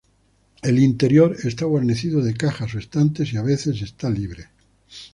Lo interior está guarnecido de cajas o estantes y a veces está libre.